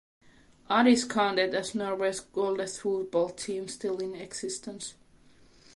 Odd is counted as Norway's oldest football team still in existence.